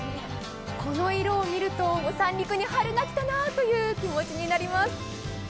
この色を見ると三陸に春が来たなという気持ちになります。